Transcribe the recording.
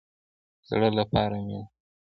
د زړه لپاره مینه.